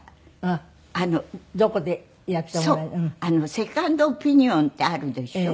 セカンドオピニオンってあるでしょ。